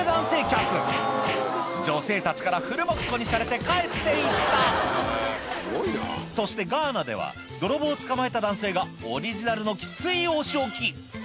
客女性たちからフルボッコにされて帰って行ったそしてガーナでは泥棒を捕まえた男性がオリジナルのきついお仕置き